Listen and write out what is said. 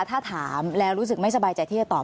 ถ้าถามแล้วรู้สึกไม่สบายใจที่จะตอบ